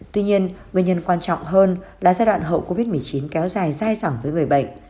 tuy nhiên nguyên nhân quan trọng hơn là giai đoạn hậu covid một mươi chín kéo dài dai dẳng với người bệnh